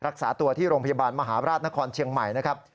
รักษาตัวที่โรงพยาบาลมหาราชนครเชียงใหม่นะครับ